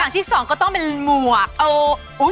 อย่างที่๒ก็ต้องเป็นหมวก